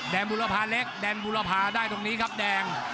บุรพาเล็กแดงบุรพาได้ตรงนี้ครับแดง